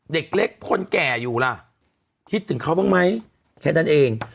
เด็กเล็กคนแก่อยู่ล่ะคิดถึงเขาบ้างไหมแค่นั้นเอง